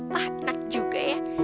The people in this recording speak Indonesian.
wah enak juga ya